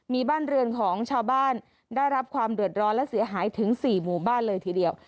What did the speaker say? มีบ้านเรือนของชาวบ้านได้รับความเดือดร้อนและเสียหายถึง๔หมู่บ้านเลยทีเดียว